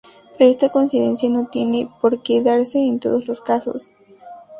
Pero esta coincidencia no tiene porque darse en todos los casos.